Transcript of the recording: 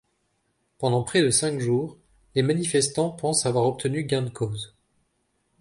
Pendant près de cinq jours, les manifestants pensent avoir obtenu gain de cause.